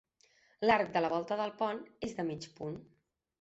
L'arc de la volta del pont és de mig punt.